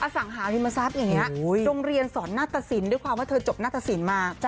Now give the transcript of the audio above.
สังหาริมทรัพย์อย่างนี้โรงเรียนสอนนาตสินด้วยความว่าเธอจบหน้าตสินมา